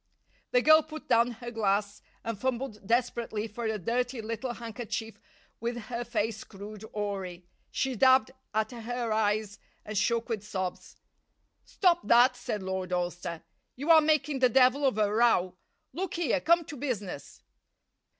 The girl put down her glass and fumbled desperately for a dirty little handkerchief with her face screwed awry. She dabbed at her eyes and shook with sobs. "Stop that," said Lord Alcester. "You are making the devil of a row. Look here, come to business."